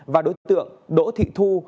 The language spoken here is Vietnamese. và đối tượng đỗ thị thu